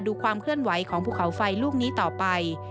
ดูความเคลื่อนไหวของภูเขาไฟลูกนี้ต่อไป